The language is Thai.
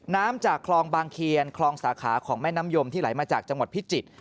จากคลองบางเคียนคลองสาขาของแม่น้ำยมที่ไหลมาจากจังหวัดพิจิตร